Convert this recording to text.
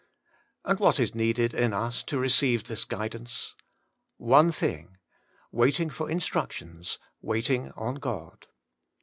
And what is needed in us to receive this guidance? One thing: waiting for instruc tions, waiting on God.